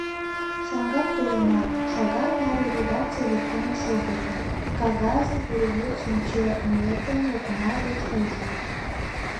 Шаҥгак толынам, шагат наре редакций воктене шогылтым, кагазым пургед шинчыметым окна гыч ужым.